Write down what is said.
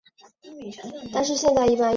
跑去旁边大卖场